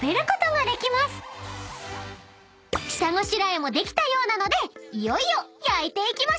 ［下ごしらえもできたようなのでいよいよ］いくね。